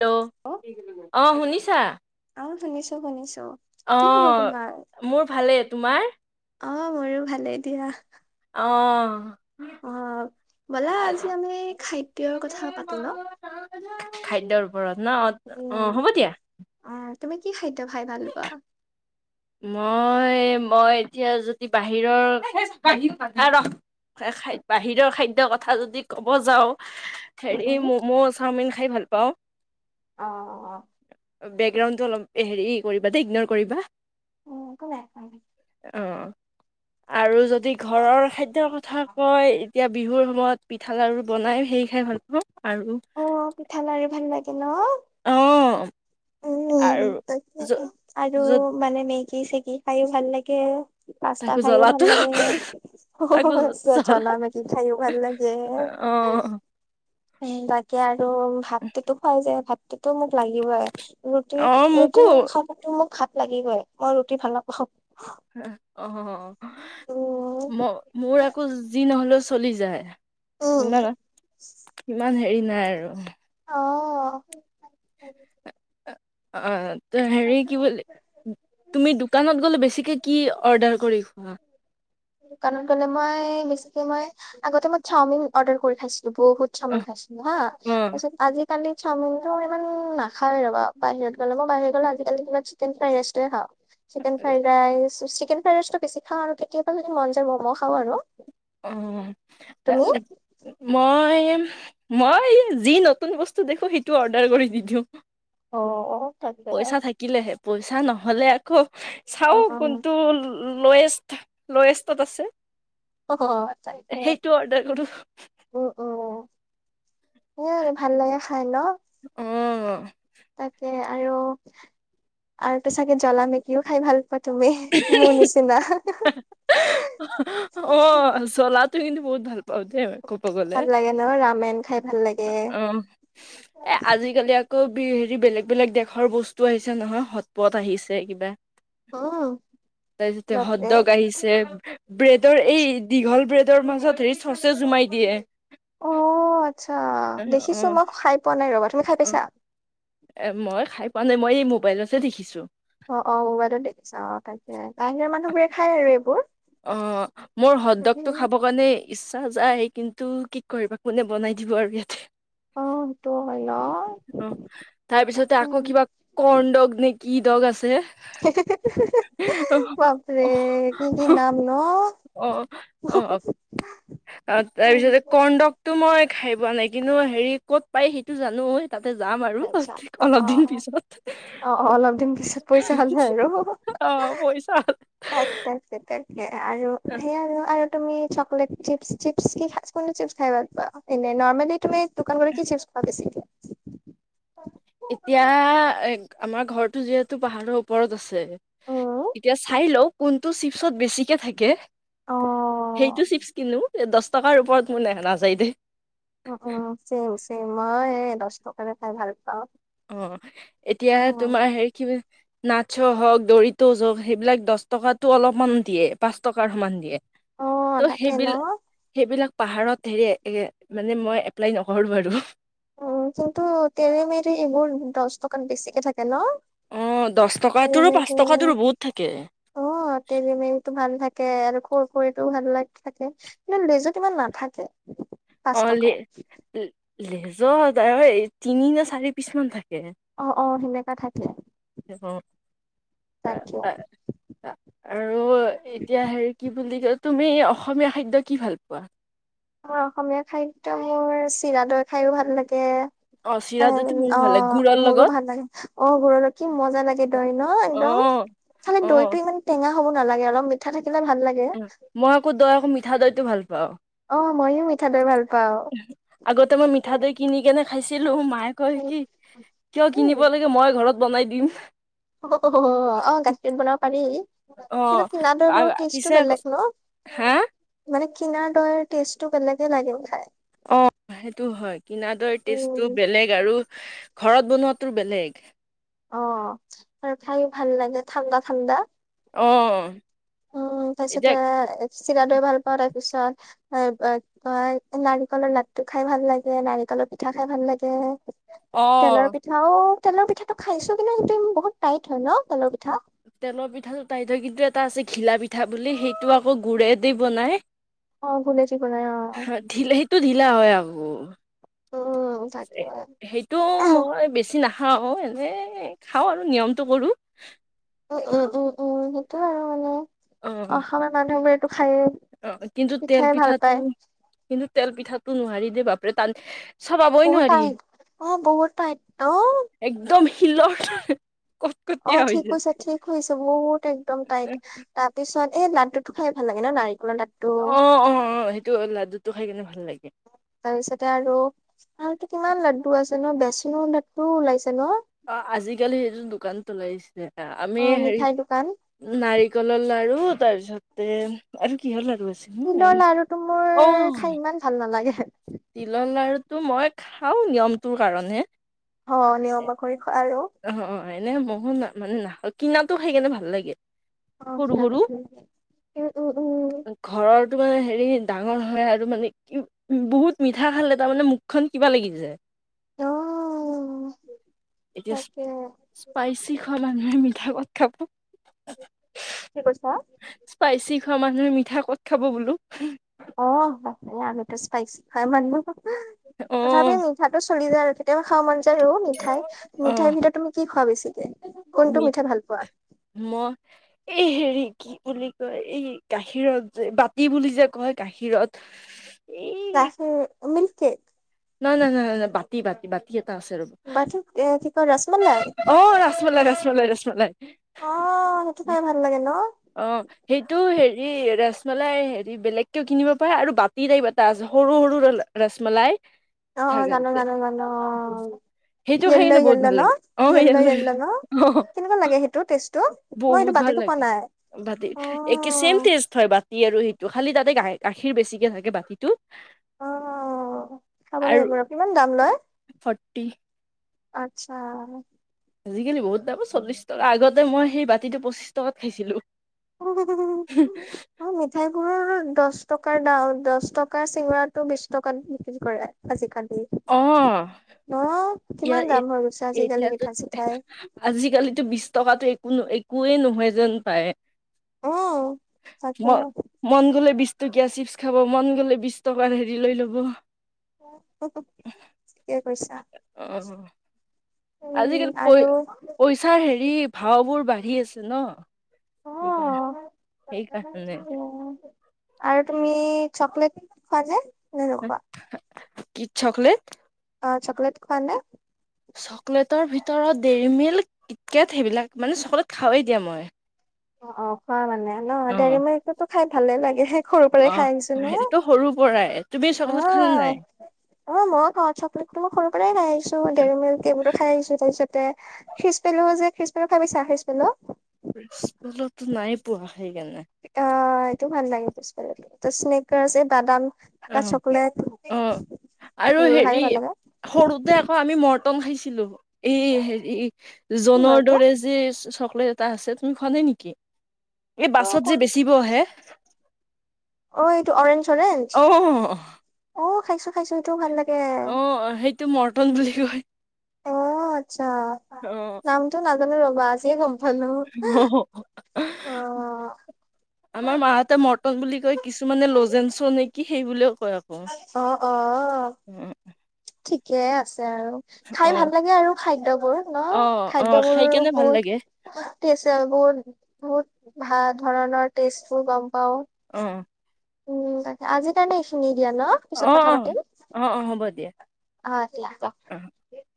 Hello অ শুনিছা অ শুনিছো শুনিছো অ কি খবৰ তোমাৰ? মোৰ ভালেই, তোমাৰ? অ মোৰো ভালেই দিয়া অঁ অ ব'লা আজি আমি খাদ্যৰ কথা পাতো ন খাদ্যয়ৰ ওপৰত ন অ অ উম হ'ব দিয়া। অ তুমি কি খাদ্য ভাই ভাল পোৱা মই মই এতিয়া যদি বাহিৰৰ খাই বাহিৰৰ খাদ্যৰ কথা যদি ক'ব যাওঁ। উম হেৰি উম মম', চাওমিন খাই ভাল পাওঁ। অ বেকগ্ৰাউণ্ডটো অলপ হেৰি কৰিবা দেই ইগনৰ কৰিবা। উম একো নাই খোৱা অ আৰু যদি ঘৰৰ নেকি? খাদ্যৰ কথা কয় এতিয়া বিহুৰ সময়ত পিঠা লাডু বনাই সেই খাই ভাল পাওঁ আৰু অ পিঠা লাৰু ভাল লাগে ন। অ উ আৰু য আৰু য'ত মানে মেগী চেগি খাই ভাল লাগে। পাস্তা তাকো খায়ো ভাল জ্বলাটো লাগে, তাকো জ- জ্বলা জলা মেগী খাইয়ো ভাল লাগে। অ। বাকে আৰু ভাততো খুৱাই যে ভাত। সেইটো টো মোক লাগিবই ৰুটি অ মোকো ৰুটি মই নাখাৱ কিন্ত মোক- লাগিবই মই ৰুটি ভাল নাপাওঁ অ উম, ম মোৰ আকৌ যি নহলো। চলি যায় উম, ইমান ইমান হেৰি নাই আৰু অ অ হেৰি কি বুলি তুমি দোকানত গ'লে বেছিকৈ কি অৰ্ডাৰ কৰি অ দোকানত গলে মই বেছিকে মই আগতে মই চাওমিন অৰ্ডাৰ কৰি খাইছিলোঁ। বহুত অ চামিন খাইছিলো হা অ তাৰপিছত আজি কালি চাওমিনতো ইমান নাখাৱওে ৰ বা বাহিৰত গ'লে ম বাহিৰ গ'লে আজিকালি কিবা চিকেন ফ্ৰাইড ৰাইষ্টে খাওঁ। Chicken fried rice chicken fried rice তটো বেছি খাওঁ আৰু কেতিয়াবা যদি মন যায় মম' খাওঁ আৰু অ তুমি? মই। মই যি নতুন বস্তু দেখো সেইটো অৰ্ডাৰ কৰি দি দিওঁ। অ', অ' তাকে পইচা থাকিলেহে পইচা নহলে আকৌ চাও উম, উম, কোনটো লয়েষ্ট লয়েষ্টত আছে। অ তাইকহে সেইটো অৰ্ডাৰ কৰো উম উম। স ভাল লাগে খাই ন। অ তাকে আৰু আৰু ত চাগে জ্বলা মেকিও খাই ভাল। তুমি মোৰ নিচিনা। অ চলাতো কিন্তু বহুত ভাল পাওঁ দে ম ক'ব গলে ভাল লাগে ন ৰামেন খাই ভাল লাগে উ এ আজিকালি আকৌ হেৰি বেলেগ বেলেগ দেশৰ বস্তু আহিছে নহয় সৎ পথ আহিছে কিবা। উম, তাৰপিছতে বাপৰে। হদ্ৰক আহিছে ব্ৰেডৰ এই দীঘল। ল ব্ৰেডৰ মাজত হেৰি চচে সোমাই দিয়ে। অ আচ্ছা অ অ দেখিছো মই খাই পোৱা নাই ৰবা, তুমি খাই অ পাইছা? এ মই খাই পোৱা নাই মই এই মোবাইলতহে দেখিছো। অ অ মোবাইলত দেখিছা অ তাকে বাহিৰৰ মানুহবোৰে খাই আৰু এইবোৰ অ মোৰ অ', হ্ৰদ্ৰগটো খাব কাৰণে ইচ্ছা। চা যায় কিন্তু কি কৰিবা কোনে বনাই দিব আৰু ইয়াতে অ অ তাৰপিছতে তাকে আকৌ কিবা কন দগ নে কি দগ আছিলে। বাপৰে কি? কি নাম নো। অ', অ', অ তাৰপিছতে কৰ্ডকতটো মই খাই পোৱা নাই কিন্তু হেৰি কত পাই সেইটো জানো তাতে যাম আৰু আচ্ছা অ', অলপ অ', দিন অ'। পিছত অ অ অলপ দিন পিছত পইচা হ'লে আৰু অ পইচা হলে তাক তাক তাকে আৰু সেই আৰু তুমি চকলেট চিপ চিপ কি কোন চিপ খাই ভাল পোৱা এনে নৰ্মেলি তুমি দোকান কি চিপ, খোৱা বেছি, এতিয়া এ আমাৰ ঘৰৰতটো যিহেতু পাহাৰৰ ওপৰত আছে, উম এতিয়া চাই লও কোনটো চিপছত বেছিকে থাকে অ সেইটো চিপচ কিনো দহ টকাৰ ওপৰত মোৰ ন নাযায় দে উম উম চেম চেম মই এই দহ টকাটে খাই ভাল পাওঁ। অ এতিয়া উম তোমাৰ হেৰি কি নাচো হওঁক দৰিত হওক সেইবিলাক দহ টকাটো অলপমান দিয়ে পাঁচ টকাৰ সমান দিয়ে। অ ত' তাকে ন সেইবিলাক সেইবিলাক পাহাৰত হেৰি মানে মই এপ্লাই নকৰোঁ বাৰু। উ কিন্তু তেৰে মেৰে এইবোৰ দহ টকাত বেছিকে থাকে ন? অ', দহ টকাটোৰো পাঁচ তেৰেমেৰে টকাটোৰো বহুত থাকে। অ তেৰেমেৰে টো ভাল থাকে। থাকে আৰু কুৰ কুৰিতো সেইবিলাক থাকে কিন্তু লেইছত ইমান নাথাকে। পাঁচ অ টকা ল লেজৰ ত তিনি নে চাৰি পিচ মান থাকে অ অ সেনেকা থাকে অ', তাকে। আৰু এতিয়া হেৰি কি বুলি কলে তুমি অসমীয়া খাদ্য কি ভাল পোৱা? মাৰ অসমীয়া খাদ্যয় মোৰ চিৰা দৈ খাইও ভাল লাগে। অশ এ অ মোৰো ভাল লাগে অ ঘৰ লক্ষি মজা লাগে দয় ন একদম। অ', খালে অ'। দৈটো ইমান টেঙা হ'ব নালাগে অলপ মিঠ মই আকৌ দৈ আকৌ মিঠা দৈটো ভাল পাওঁ অ মইয়ো মিঠা দৈ ভাল পাওঁ আগতে মই মিঠা দৈ কিনি কেনে খাইছিলো ম মাই কয় কি কিয় কিনিব লাগে মই ঘৰত বনাই দিম হ হ হ অ গাখীৰত বনাব পাৰি। অ কিন্তু কিনা দৈ বোৰৰ পিছে টেষ্টটো আকৌ বেলেগ ন হা মানে কিনাৰ দৈৰ টেষ্টটো বেলেগ লাগে ব খাই অ সেইটো হয় কিনডৰ টেষ্টটো উম বেলেগ আৰু ঘৰত বনোৱাটোৰ বেলেগ অ ত খায়ো ভাল লাগে ঠাণ্ডা ঠাণ্ডা অঁ উম তাৰপিছতে, চিৰা দৈ ভাল পাওঁ তাৰ পিছত এ ত নাৰিকলৰ লাড়ু টো খাই ভাল লাগে নাৰিকল। তেলত পিঠা খাই ভাল লাগে। অ তেলৰ পিঠাও তেলৰ পিঠাটো খাইছো কিন্তু ত বহুত টাইট হয় ন তেলৰ পিঠা। তেলৰ পিঠাটো তাইত হয় কি এটা আছে ঘিলা পিঠা বুলি সেইটো আকৌ গুৰেদি বনাই অ ঘুলেদি বনাই অ ঢিলাইটো ঢিলা হয় আকৌ উম। তাকে সেইটো উম মই বেছি না খাওঁ এনে খাওঁ আৰু নিয়মটো কৰো, উম উম উম উম সেইটো আৰু মানে অ অসমৰ মানুহবোৰে টো খায়ে অ কিন্তু তেল পিঠাই ভাল পিঠাটো পায় কিন্তু তেল পিঠাটো নোৱাৰাৰি দে বাপৰে টান। চাবাবই বহুত নোৱাৰি টাইট অ বহুত টাইট অ একদম শিলৰ। অ কটকটীয়া হৈ ঠিক যায় হৈছে ঠিক হৈছে বহুত একদম টাইট তাৰপিছত এই লাড়ুটো খাই ভাল লাগে নাৰি অ অ অ সেইটো লাডু টো খাই কিনে ভাল লাগে। তাৰপিছতে আৰু আৰুতো কিমান লাড্ডু আছে বেচনৰ লাড়ু ওলাইছে। ন অ আজিকালি দোকানটো ওলাইছে আমি অ হেৰি মিঠাই দোকান নাৰিকলৰ লাৰু তাৰপিছতে আৰু কি হ'ল লা তিলৰ লাৰুটো মোৰ খাই ইমান ভাল নালাগে। তিলৰ লাৰুটো মই খাওঁ নিয়মটোৰ কাৰণে। অ নিয়ম কৰি খোৱা আৰু অ এনে মো ন মানে নাখাৱ কিনাটো খাই কেনে ভাল লাগে। অ সৰু সৰু খ উ উম উম ঘৰৰটো হেৰি ডাঙৰ হয় আৰু মানে কি বহুত মিঠা খালে তাৰমানে মুখখন কিবা লাগি যায়। অ এতিয়া তাকে স্পাইচি খোৱা মানুহে মিঠা কত খাব কি কৈছা। স্পাইচি খোৱা মানুহে মিঠা ক'ত খাব বোলো। অ হয় আমো স্পাইচ হয় মান অ তথাপি মিঠাটো। চলি যায় আৰু কেতিয়াবা খাব মন যায় আৰু মিঠাই মিঠাইৰ ভিতৰত তুমি কি খোৱা বেছিকে। কোনটো মিট মিঠাই ভাল পোৱা মই। এই হেৰি কি বুলি কয় এই গাখীৰত যে বাতি বুলি যে কয় গাখীৰত। মিল্ক কেক ন ন ন ন ন বাটতি বাতি বতি আছে ৰব বা কি কয় ৰসমলাই অ ৰাকমলাই ৰাচমলাই ৰাচমলাই। অ সেইটো খাই ভাল লাগে ন। অ সেইটো হেৰি ৰমলাই হেৰি বেলেগকে কিনিব পাৰে আৰু বাতি টাইপ এটা আছে সৰু সৰু ৰসমলাই অ জানো থাকতে জানো জানো অ। সেইটো খাই য়েল্ল' কিনে বহুত য়েল্ল' ভাল ন লাগে অ য়েল্ল ইয়ালৈ য়েল্ল ন অ কেনেকুৱা লাগে সেইটো ষ্টটো মই বহুত এইটো। ভাল টো খোৱা লাগে নাই বাতি অ একে চেম টেষ্ট হয় বাতি আৰু সেইটো খালি তাতে গাখীৰ বেছিকে থাকে বাতিটো অ খাব লাগিব ৰ কিমান দাম লয়। টি আত্ছা আজিকালি বহুত দাম চল্লিছ টকা আগতে মই সেই বাতিটো পঁচিছ টকাত খাইছিলোঁ অ মিঠাইবোৰৰ দহ। দ টকাৰ দাম দশ টকাৰ চিঙৰাটো বিশ টকাত বিক্ৰী কৰে অ আজিকালি অ ইয়াৰ এতিয়াতো আজিকালিতো বিশ টকাতটো একোএকোৱেই নহয় যেন পায়। উম তাকে ম মন গলে বিশ। টকীয়া চিপচ খাব মন গ'লে বিশ টকাৰ হেৰি লৈ ল'ব। [inaudible] অ উম আজিকালি পই আৰু পইচাৰ হেৰি ভাও বোৰ বাঢ়ি আছে ন। অ', স ক আে [unintelligible] উম, আৰু তুমি চকলেট খোৱা যায়। কি চকলেট? অ চকলেট খোৱা নে? চকলেটৰ ভিতৰত দেইৰি মিল্ক কিটকেট সেইবিলাক, মানে চকলেট খাৱেই দিয়া মই। অ অ খোৱা মানে ন অ', দেৰিমিলকতো খাই ভালে লাগে। সৰুৰ পৰাই অ খাই আহিছো নহয়। সেইটোতো সৰুৰ পৰাই তুমি চকলেত খালা অ', নাই। অ মই ক চকলেটটো মোক সৰু পৰাই খাই আহিছো। দেৰিমেল [unintelligible] খাই আহিছো তাৰপিছতে খিচ পেলো যে খিজ পেলো খাই পাইছা খিজ পেলো? প্ৰিসফেলতো নাই পোৱা সেইকাৰণে অ', এইটো ভাল লাগে প্ৰিছ পেলোতো এই স্নিকাৰ্চ এই বাদাম থকা অহ, চকলেট উম আৰু সেইবোৰ খাই হেৰি ভাল লাগে। সৰুতে আকৌ আমি মৰ টন খাইছিলো এই হেৰি কি হয় জনৰ এইটো? দৰে যে চক চকলেট এটা আছে তুমি খোৱা নাই নেকি এই অ', বাছত যে বেচিব আহে। অহ, এইটো অৰেঞ্জ -অৰেঞ্জ অ অ'খাইছো- খাইছো এইটোও ভাল লাগে। অহ, সেইটো মৰ্টন বুলি কয়। অহ, আচ্ছা অ নামটো নাজানো ৰবা আজিয়ে গম পালো অহ, অ', আমাৰ মাহতে মৰ বুলি কয় কিছুমানে লজেনছ নেকি সেইবুলিয় অহ - অহ- অ', ঠিকে আছে আৰু খাই অ ভাল লাগে আৰু খাদ্য বোৰ ন' অ অ খাদ্য বোৰ খাই কেনে ভাল লাগে বহুত ৰ'দ দিছে বহুত- বহুত ভাল ধৰণৰ টেষ্ট বোৰ গম পাওঁ, অ উম তাক আজি কাৰণে এইখিনি দিয়া ন' অ পিছত অ কথা পাতিম। অ অ হ'ব দিয়া অ [unintelligible]